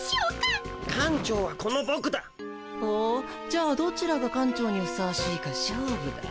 じゃあどちらが館長にふさわしいか勝負だ。